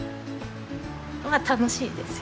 まあ楽しいですよ。